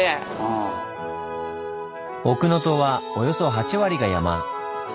奥能登はおよそ８割が山。